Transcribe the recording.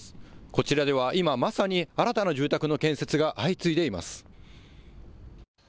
こちらでは今まさに新たな住宅の建設が相次いでいます。